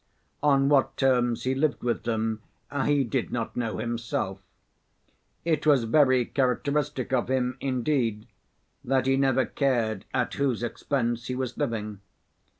On what terms he lived with them he did not know himself. It was very characteristic of him, indeed, that he never cared at whose expense he was living.